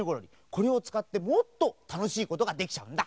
これをつかってもっとたのしいことができちゃうんだ。